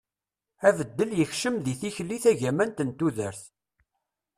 abeddel yekcem deg tikli tagamant n tudert